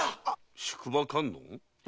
「宿場観音」？